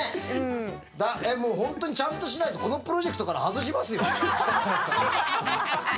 本当にちゃんとしないとこのプロジェクトから外しますよ。